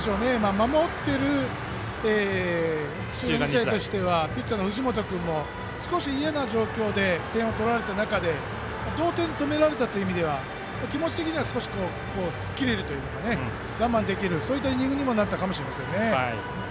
守っている土浦日大としてはピッチャーの藤本君も少し嫌な状況で点を取られた中同点で止められたという意味では気持ち的には少し吹っ切れるというか我慢できるという展開だったかもしれません。